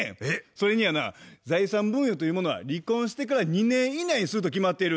それにやな財産分与というものは離婚してから２年以内にすると決まっている。